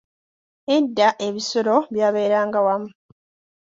Edda, ebisolo byaberanga wamu.